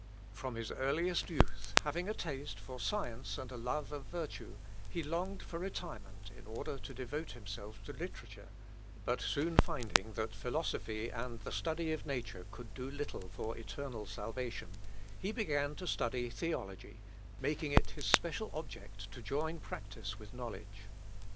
From his earliest youth, having a taste for science and a love of virtue, he longed for retirement, in order to devote himself to literature; but soon finding that philosophy and the study of nature could do little for eternal salvation, he began to study theology, making it his special object to join practice with knowledge.